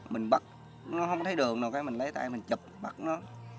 mình bắt nó không thấy đường mình lấy tay mình chụp bắt nó